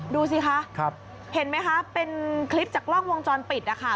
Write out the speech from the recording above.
ดูสิคะเห็นไหมคะเป็นคลิปจากกล้องวงจรปิดนะคะ